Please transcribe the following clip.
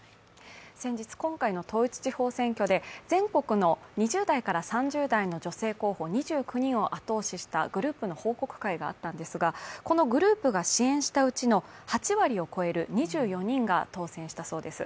先日今回の統一地方選挙で全国の２０代から３０代の女性候補２９人を後押ししたグループの報告会があったんですがこのグループが支援したうちの８割を超える２４人が当選したそうです。